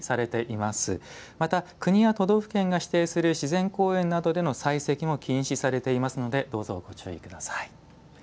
また、国や都道府県が指定する公園などでの採石も禁止されておりますのでどうぞご注意ください。